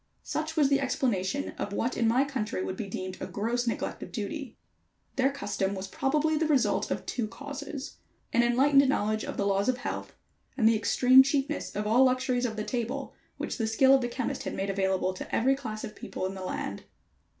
Such was the explanation of what in my country would be deemed a gross neglect of duty. Their custom was probably the result of two causes: an enlightened knowledge of the laws of health, and the extreme cheapness of all luxuries of the table which the skill of the chemist had made available to every class of people in the land.